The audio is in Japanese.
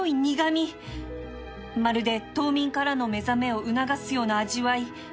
まるで冬眠からの目覚めを促すような味わい